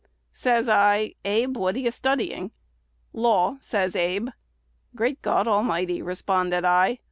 Says I, 'Abe, what are you studying?' 'Law,' says Abe. 'Great God Almighty!' responded I."